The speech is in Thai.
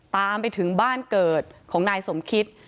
ตามไปถึงบ้านเกิดของนายสมคิต